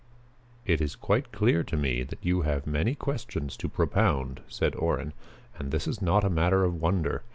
"It is quite clear to me that you have many questions to propound," said Orrin, "and this is not a matter of wonder.